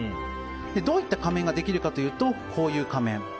どういう仮面ができるかというとこういう仮面。